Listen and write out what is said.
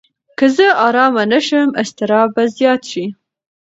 که زه ارامه نه شم، اضطراب به زیات شي.